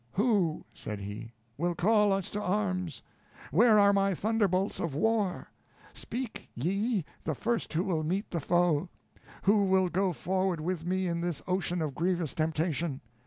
"Who," said he, "will call us to arms? Where are my thunderbolts of war? Speak ye, the first who will meet the foe! Who will go forward with me in this ocean of grievous temptation?